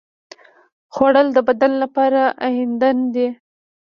خوړل د بدن لپاره ایندھن دی